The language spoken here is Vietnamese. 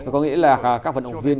có nghĩa là các vận động viên